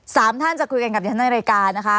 สามท่านจะคุยกันกับดิฉันในรายการนะคะ